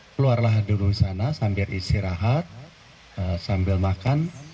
keluarlah dulu sana sambil istirahat sambil makan